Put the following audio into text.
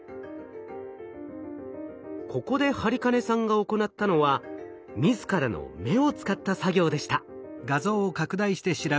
ここで播金さんが行ったのは自らの目を使った作業でした。